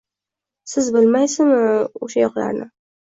Siz bilmaysizmi o‘sha yoqlarni?”